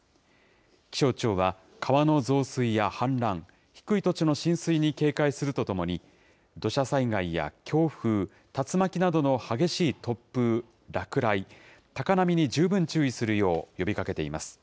気象庁は、川の増水や氾濫、低い土地の浸水に警戒するとともに、土砂災害や強風、竜巻などの激しい突風、落雷、高波に十分注意するよう呼びかけています。